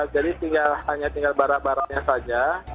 jadi tinggal hanya tinggal barat baratnya saja